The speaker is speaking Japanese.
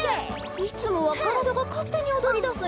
いつもはからだがかってにおどりだすんやけど。